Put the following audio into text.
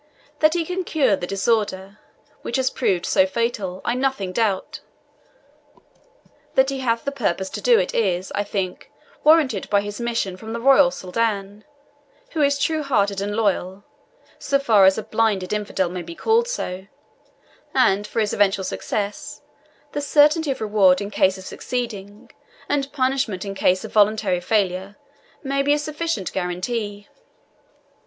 That he can cure the disorder, which has proved so fatal, I nothing doubt; that he hath the purpose to do it is, I think, warranted by his mission from the royal Soldan, who is true hearted and loyal, so far as a blinded infidel may be called so; and for his eventual success, the certainty of reward in case of succeeding, and punishment in case of voluntary failure, may be a sufficient guarantee."